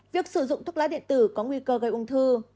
việc sử dụng thuốc lá điện tử có nguy cơ gây ung thư